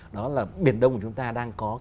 đó là biển đông của chúng ta đang có